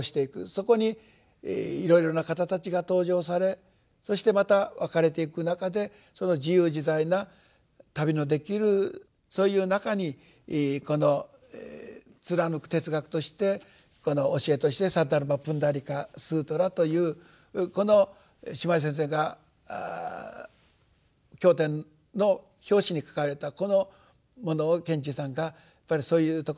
そこにいろいろな方たちが登場されそしてまた別れていく中でその自由自在な旅のできるそういう中にこの貫く哲学としてこの教えとして「サッダルマプンダリーカ・スートラ」というこの島地先生が経典の表紙に書かれたこのものを賢治さんがそういうところへちりばめられて。